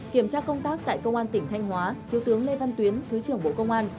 kiểm tra công tác tại công an tỉnh thanh hóa thiếu tướng lê văn tuyến thứ trưởng bộ công an